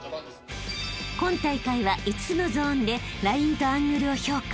［今大会は５つのゾーンでラインとアングルを評価］